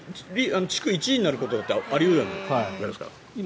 地区１位になることだってあり得るじゃないですか。